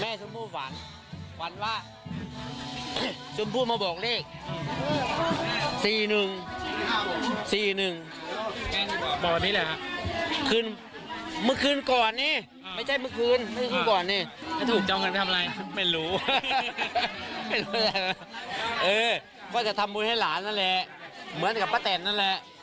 ก็จะทำบุญให้หลานนั่นแหละเหมือนกับป้าแตนนั่นแหละ